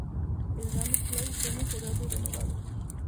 El Gameplay fue mejorado y renovado.